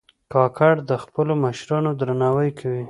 کاکړ د خپلو مشرانو درناوی کوي.